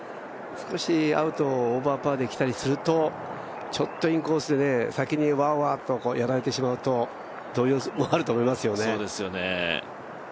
少しアウトをオーバーパーで来たりすると、ちょっとインコースで、先にワーワーとやられてしまうと、動揺もあるかもしれないですよね。